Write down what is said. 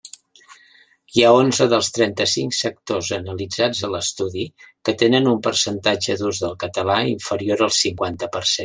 Hi ha onze dels trenta-cinc sectors analitzats a l'estudi que tenen un percentatge d'ús del català inferior al cinquanta per cent.